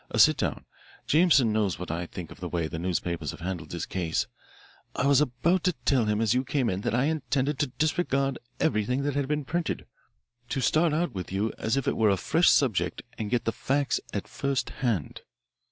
Sit down. Jameson knows what I think of the way the newspapers have handled this case. I was about to tell him as you came in that I intended to disregard everything that had been printed, to start out with you as if it were a fresh subject and get the facts at first hand.